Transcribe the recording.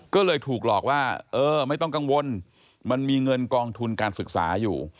ก็เลยถูกหลอกว่าเออไม่ต้องกังวลมันมีเงินกองทุนการศึกษาอยู่